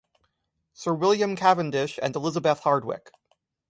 Sir William Cavendish and Elizabeth Hardwick.